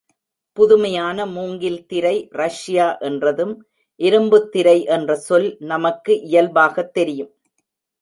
புதுமையான மூங்கில் திரை ரஷ்யா என்றதும் இரும்புத் திரை என்ற சொல் நமக்கு, இயல்பாகத் தெரியும்.